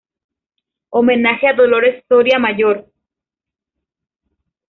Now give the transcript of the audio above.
Homenaje a Dolores Soria Mayor".